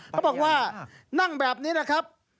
เขาบอกว่านั่งแบบนี้นะครับ